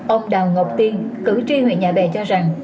ông đào ngọc tiên cử tri huyện nhà bè cho rằng